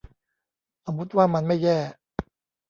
สมมติว่ามันไม่แย่